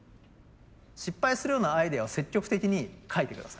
失敗するようなアイデアを積極的にかいて下さい。